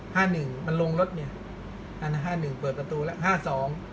ห้าหนึ่งมันลงรถเนี้ยอันห้าหนึ่งเปิดประตูแล้วห้าสอง